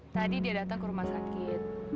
tadi dia datang ke rumah sakit